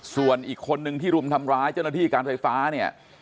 ส่วนอีกคนนึงที่รุมทำร้ายเจ้าหน้าที่การไฟฟ้าเนี่ย